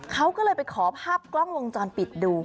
เขาก็เลยไปขอภาพกล้องวงจรปิดดู